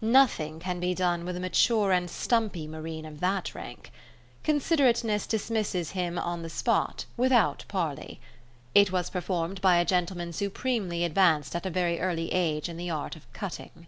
Nothing can be done with a mature and stumpy Marine of that rank. Considerateness dismisses him on the spot, without parley. It was performed by a gentleman supremely advanced at a very early age in the art of cutting.